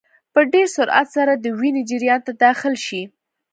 په ډېر سرعت سره د وینې جریان ته داخل شي.